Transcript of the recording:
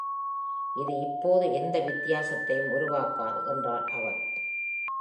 “இது இப்போது எந்த வித்தியாசத்தையும் உருவாக்காது,” என்றான் அவன்.